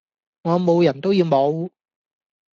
我無人都要無!